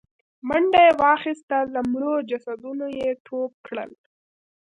منډه يې واخيسته، له مړو جسدونو يې ټوپ کړل.